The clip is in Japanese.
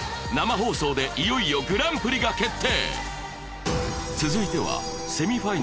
放送でいよいよグランプリが決定！